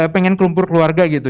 pengen kelumpur keluarga gitu